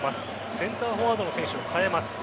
センターフォワードの選手を代えます。